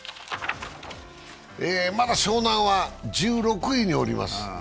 まだ湘南は１６位におります。